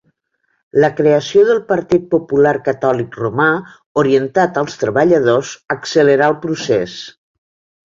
La creació del Partit Popular Catòlic Romà, orientat als treballadors, accelerà el procés.